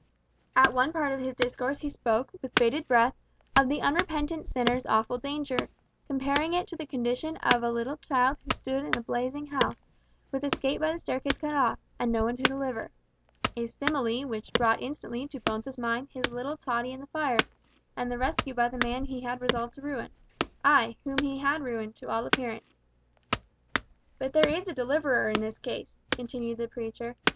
At one part of his discourse he spoke, with bated breath, of the unrepentant sinner's awful danger, comparing it to the condition of a little child who should stand in a blazing house, with escape by the staircase cut off, and no one to deliver a simile which brought instantly to Bones's mind his little Tottie and the fire, and the rescue by the man he had resolved to ruin ay, whom he had ruined, to all appearance. "But there is a Deliverer in this case," continued the preacher.